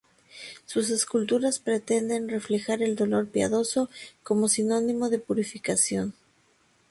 Sus esculturas pretenden reflejar el dolor piadoso como sinónimo de purificación.